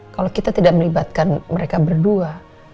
kalau kita tidak melibatkan mereka berdua